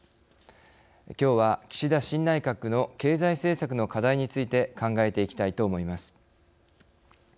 きょうは岸田新内閣の経済政策の課題について考えていきたいと思います。